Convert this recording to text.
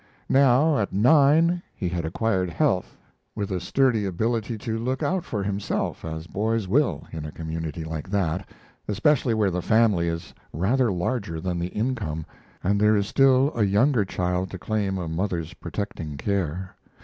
Now, at nine, he had acquired health, with a sturdy ability to look out for himself, as boys will, in a community like that, especially where the family is rather larger than the income and there is still a younger child to claim a mother's protecting care.